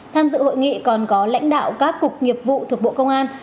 tham dự hội nghị còn có lãnh đạo các cục nghiệp vụ thuộc bộ công an